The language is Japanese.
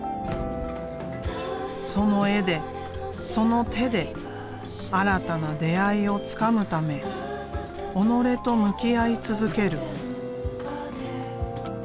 その絵でその手で新たな出会いをつかむため己と向き合い続ける。